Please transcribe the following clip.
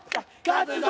勝つぞ！